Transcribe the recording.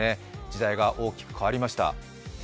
時代が大きく変わりました。